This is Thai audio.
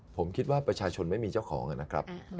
ผมคิดว่าประชาชนไม่มีเจ้าของนะครับ